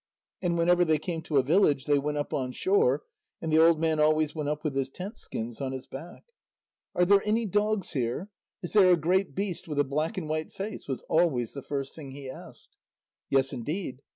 And whenever they came to a village, they went up on shore, and the old man always went up with his tent skins on his back. "Are there any dogs here? Is there a great beast with a black and white face?" was always the first thing he asked. "Yes, indeed."